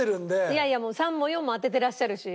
いやいやもう３も４も当ててらっしゃるし。